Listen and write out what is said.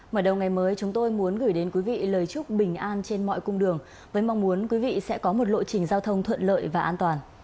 mở đầu ngày mới chúng tôi muốn gửi đến quý vị lời chúc bình an trên mọi cung đường với mong muốn quý vị sẽ có một lộ trình giao thông thuận lợi và an toàn